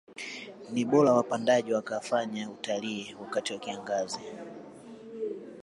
Ni bora wapandaji wakafanya utalii wakati wa kiangazi